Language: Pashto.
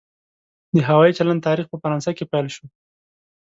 د هوایي چلند تاریخ په فرانسه کې پیل شو.